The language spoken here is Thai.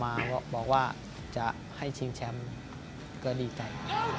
ทางวันก็ติดต่อมาบอกว่าจะให้ชิงแชมป์เกอร์ดีใจ